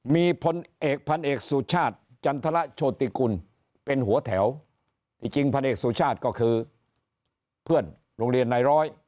มีพลเอกพันเอกสุชาติจันทรโชติกุลเป็นหัวแถวที่จริงพันเอกสุชาติก็คือเพื่อนโรงเรียนนายร้อย